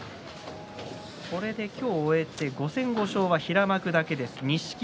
これで今日を終えて５戦５勝は平幕だけです